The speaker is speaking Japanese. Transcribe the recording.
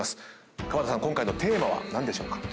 今回のテーマは何でしょうか？